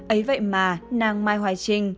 ấy vậy mà nàng mai hoài trinh